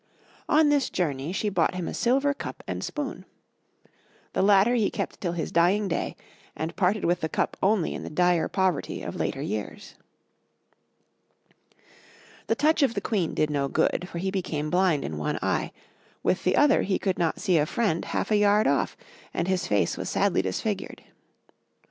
On this journey she bought him a silver cup and spoon. The latter he kept till his dying day, and parted with the cup only in the dire poverty of later years. The touch of the Queen did no good, for he became blind in one eye; with the other he could not see a friend half a yard off, and his face was sadly disfigured.